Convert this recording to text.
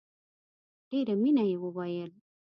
په ډېره مینه یې وویل.